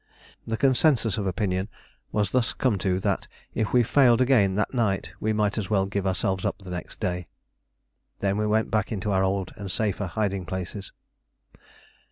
The consensus of opinion was thus come to that if we failed again that night we might as well give ourselves up the next day. We then went back into our old and safer hiding places.